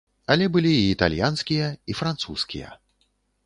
Але былі і італьянскія, і французскія.